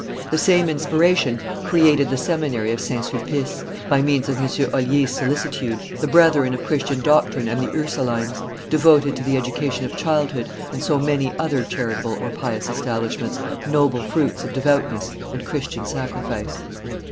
The same inspiration created the seminary of St. Sulpice, by means of M. Olier's solicitude, the brethren of Christian Doctrine and the Ursulines, devoted to the education of childhood, and so many other charitable or pious establishments, noble fruits of devoutness and Christian sacrifice.